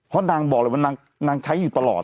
เพราะนางบอกเลยว่านางใช้อยู่ตลอด